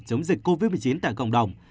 chống dịch covid một mươi chín tại cộng đồng